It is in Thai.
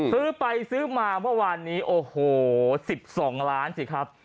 ซื้อไปซื้อมาเมื่อวานนี้โอ้โห๑๒ล้านสิครับ